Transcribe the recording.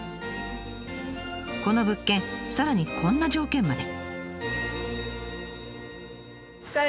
この物件さらにこんな条件まで。